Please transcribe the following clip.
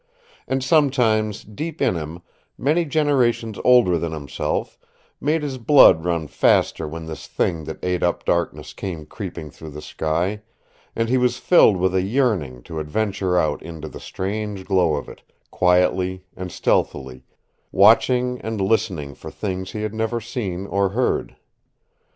And something deep in him, many generations older than himself, made his blood run faster when this thing that ate up darkness came creeping through the sky, and he was filled with a yearning to adventure out into the strange glow of it, quietly and stealthily, watching and listening for things he had never seen or heard.